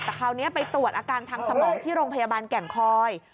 แต่คราวนี้ไปตรวจอาการทางสมองที่โรงพยาบาลแก่งคอย